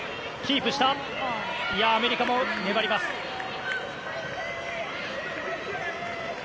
アメリカも粘ります。